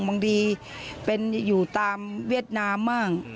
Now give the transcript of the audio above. บางทีเป็นอยู่ตามเวียดนามบ้าง